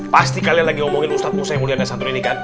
pasti kalian lagi ngomongin ustadz musa yang udah ada santri ini kan